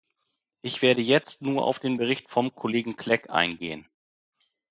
Ich werde jetzt nur auf den Bericht vom Kollegen Clegg eingehen.